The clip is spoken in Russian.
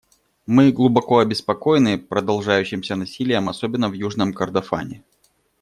Мы глубоко обеспокоены продолжающимся насилием, особенно в Южном Кордофане.